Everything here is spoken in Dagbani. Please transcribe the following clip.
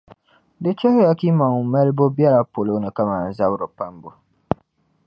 Di chɛliya ka yimaŋ’ malibu bela paloni kaman zabiri pambu.